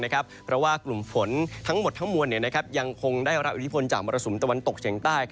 เพราะว่ากลุ่มฝนทั้งหมดทั้งมวลยังคงได้รับอิทธิพลจากมรสุมตะวันตกเฉียงใต้